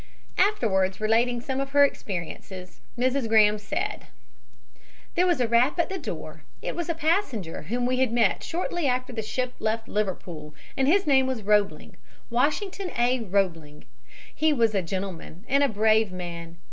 Afterwards relating some of her experiences Mrs. Graham said: "There was a rap at the door. It was a passenger whom we had met shortly after the ship left Liverpool, and his name was Roebling Washington A. Roebling, 2d. He was a gentleman and a brave man.